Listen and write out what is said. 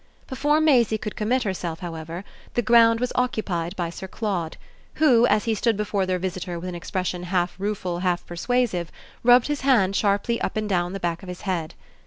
Before Maisie could commit herself, however, the ground was occupied by Sir Claude, who, as he stood before their visitor with an expression half rueful, half persuasive, rubbed his hand sharply up and down the back of his head.